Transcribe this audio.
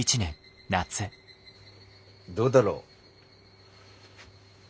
どうだろう？